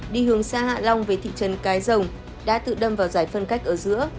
đi hướng xa hạ long về thị trấn cái rồng đã tự đâm vào giải phân cách ở giữa